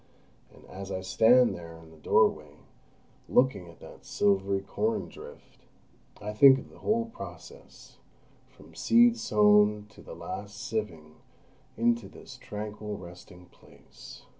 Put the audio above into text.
And as I stand there in the doorway, looking at that silvery corn drift, I think of the whole process, from seed sown to the last sieving into this tranquil resting place.